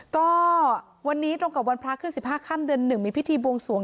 ก็วันนี้ตรงกับวันพระขึ้น๑๕ค่ำเดือน๑มีพิธีบวงสวง